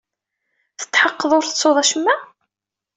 Tetḥeqqeḍ ur tettuḍ acemma?